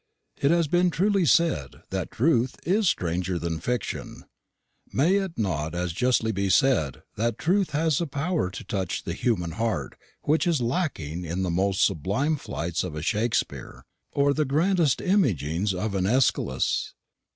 It has been truly said, that truth is stranger than fiction: may it not as justly be said, that truth has a power to touch the human heart which is lacking in the most sublime flights of a Shakespeare, or the grandest imaginings of an Aeschylus?